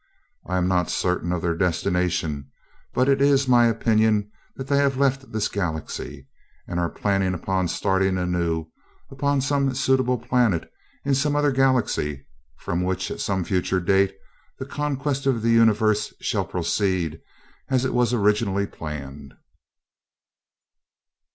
I am not certain of their destination, but it is my opinion that they have left this Galaxy, and are planning upon starting anew upon some suitable planet in some other Galaxy, from which, at some future date, the Conquest of the Universe shall proceed as it was originally planned."